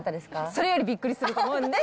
それよりびっくりすると思うんで。